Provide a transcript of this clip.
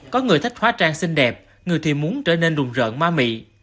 có người thích hóa trang xinh đẹp người thì muốn trở nên rùng rợn ma mị